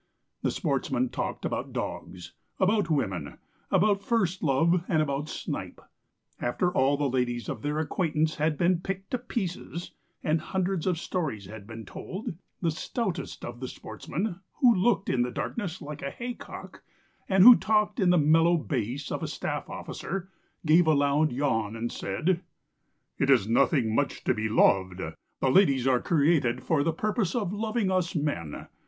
The sportsmen talked about dogs, about women, about first love, and about snipe. After all the ladies of their acquaintance had been picked to pieces, and hundreds of stories had been told, the stoutest of the sportsmen, who looked in the darkness like a haycock, and who talked in the mellow bass of a staff officer, gave a loud yawn and said: "It is nothing much to be loved; the ladies are created for the purpose of loving us men.